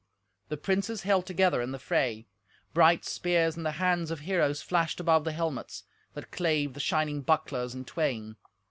The princes held together in the fray. Bright spears in the hands of heroes flashed above the helmets, that clave the shining bucklers in twain.